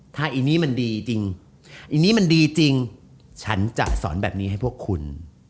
ถ้าอีนี่มันดีจริงอีนี้มันดีจริงฉันจะสอนแบบนี้ให้พวกคุณ